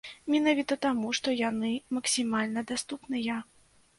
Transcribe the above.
Менавіта таму, што яны максімальна даступныя.